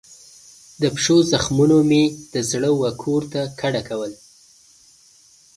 د پښو زخمونو مې د زړه وکور ته کډه کول